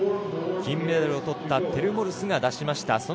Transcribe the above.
金メダルをとったテル・モルスが出しました。